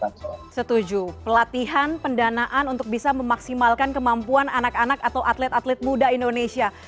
saya setuju pelatihan pendanaan untuk bisa memaksimalkan kemampuan anak anak atau atlet atlet muda indonesia